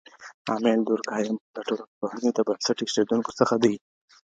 اميل دورکهايم د ټولنپوهنې د بنسټ اېښودونکو څخه دی.